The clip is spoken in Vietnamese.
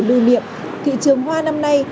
lưu niệm thị trường hoa năm nay